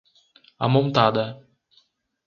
Amontada